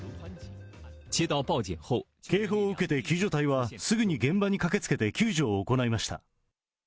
警報を受けて、救助隊はすぐに現場に駆けつけて救助を行いました。